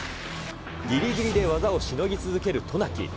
ぎりぎりで技をしのぎ続ける渡名喜。